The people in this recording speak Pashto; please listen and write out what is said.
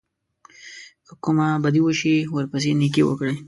که کومه بدي وشي ورپسې نېکي وکړئ.